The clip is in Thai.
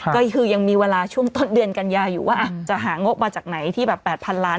ก็คือยังมีเวลาช่วงต้นเดือนกันยาอยู่ว่าจะหางบมาจากไหนที่แบบ๘๐๐ล้าน